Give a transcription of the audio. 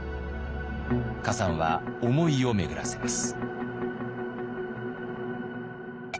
崋山は思いを巡らせます。